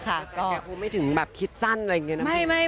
แต่คงไม่ถึงแบบคิดสั้นอะไรอย่างนี้นะ